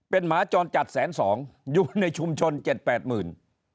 เป็นหมาจรจัดแสน๒อยู่ในชุมชน๗๘หมื่น